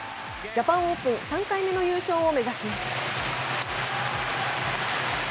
ジャパンオープン、３回目の優勝を目指します。